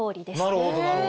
なるほどなるほど。